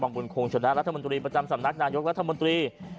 บุญคงชนะรัฐมนตรีประจำสำนักนายกรัฐมนตรี